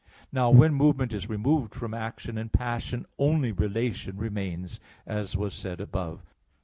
Now when movement is removed from action and passion, only relation remains, as was said above (A.